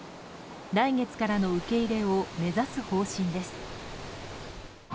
来月からの受け入れを目指す方針です。